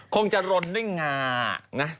คงจะรนด้วยงานะ